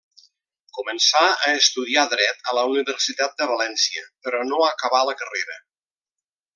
Començà a estudiar dret a la Universitat de València, però no acabà la carrera.